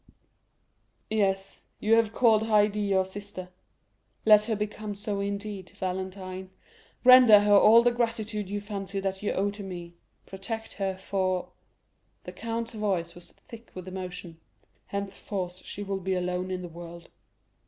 "Yes; you have called Haydée your sister,—let her become so indeed, Valentine; render her all the gratitude you fancy that you owe to me; protect her, for" (the count's voice was thick with emotion) "henceforth she will be alone in the world."